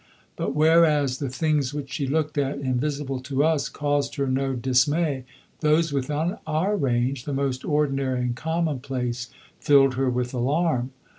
But whereas the things which she looked at, invisible to us, caused her no dismay, those within our range, the most ordinary and commonplace, filled her with alarm.